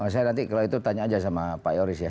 saya nanti kalau itu tanya aja sama pak yoris ya